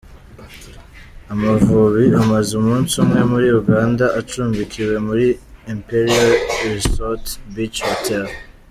Amavubi amaze umunsi umwe muri Uganda acumbikiwe muri Imperial Resort Beach Hotel.